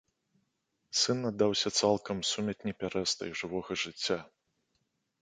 Сын аддаўся цалкам сумятні пярэстай жывога жыцця.